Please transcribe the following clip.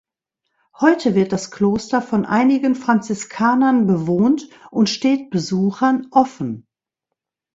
Heute wird das Kloster von einigen Franziskanern bewohnt und steht Besuchern offen.